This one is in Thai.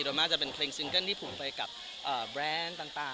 โดยมากจะเป็นเพลงซิงเกิ้ลที่ผมไปกับแบรนด์ต่าง